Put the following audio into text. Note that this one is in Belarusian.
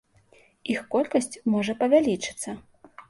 Іх колькасць можа павялічыцца.